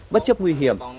bất chấp nguy hiểm